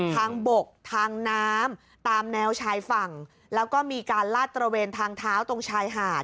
ทางบกทางน้ำตามแนวชายฝั่งแล้วก็มีการลาดตระเวนทางเท้าตรงชายหาด